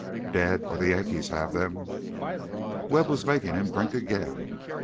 "Dead ... or the Yankees have them." Webb was making him drink again.